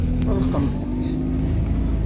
Ɣelqemt-t.